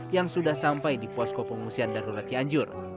yang sudah sampai di posko pengungsian darurat cianjur